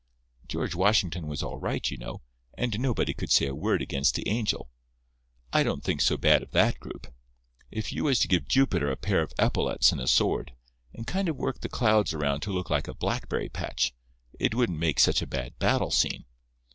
George Washington was all right, you know, and nobody could say a word against the angel. I don't think so bad of that group. If you was to give Jupiter a pair of epaulets and a sword, and kind of work the clouds around to look like a blackberry patch, it wouldn't make such a bad battle scene.